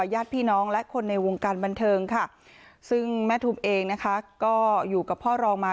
ญาติพี่น้องและคนในวงการบันเทิงค่ะซึ่งแม่ทุมเองนะคะก็อยู่กับพ่อรองมา